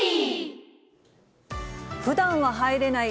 ふだんは入れない、